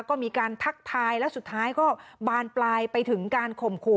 ก็มีการทักทายแล้วสุดท้ายก็บานปลายไปถึงการข่มขู่